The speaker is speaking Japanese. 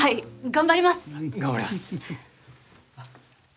頑張ります。